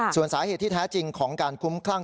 ส่วนสาเหตุที่แท้จริงของการคุ้มคลั่ง